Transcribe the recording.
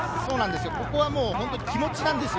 ここはもう本当に気持ちなんですよ。